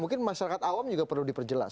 mungkin masyarakat awam juga perlu diperjelas